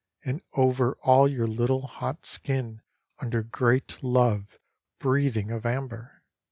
And over all your little hot skin under great love Breathing of amber.